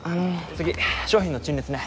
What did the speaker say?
次商品の陳列ね。